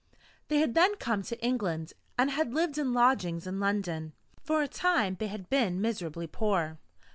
They had then come to England, and had lived in lodgings in London. For a time they had been miserably poor.